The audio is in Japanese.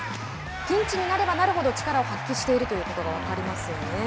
ピンチになればなるほど力を発揮しているということが分かりますよね。